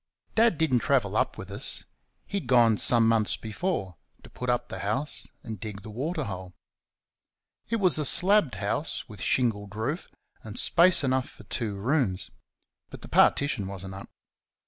Dad did n't travel up with us: he had gone some months before, to put up the house and dig the waterhole. It was a slabbed house, with shingled roof, and space enough for two rooms; but the partition was n't up.